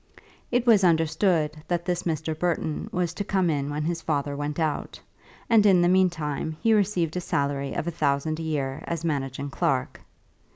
It was understood that this Mr. Burton was to come in when his father went out; and in the meantime he received a salary of a thousand a year as managing clerk.